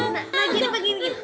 nah jadinya begini gitu